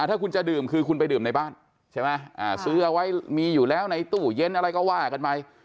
ถ้าคุณจะดื่มคือคุณไปดื่มในบ้านใช่ไหมซื้อเอาไว้มีอยู่แล้วในตู้เย็นอะไรก็ว่ากันไป